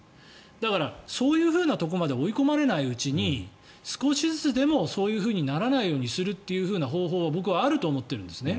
だからそういうふうなところまで追い込まれないうちに少しずつでもそういうふうにならないようにするという方法は僕はあると思ってるんですね。